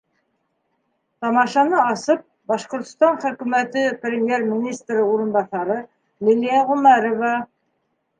Тамашаны асып, Башҡортостан Хөкүмәте Премьер-министры урынбаҫары Лилиә Ғүмәрова: